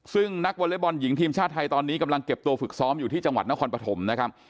ซึ่งนักวอเล็กบอลหญิงทีมชาติไทยตอนนี้กำลังเก็บตัวฝึกซ้อมอยู่ที่จังหวัดนครปฐมนะครับ